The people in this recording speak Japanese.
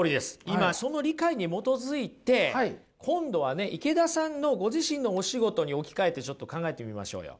今その理解に基づいて今度はね池田さんのご自身のお仕事に置き換えてちょっと考えてみましょうよ。